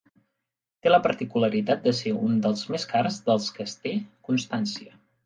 Té la particularitat de ser un dels més cars dels que es té constància.